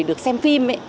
được xem phim